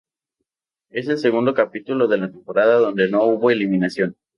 Este es el segundo capítulo de la temporada donde no hubo eliminación.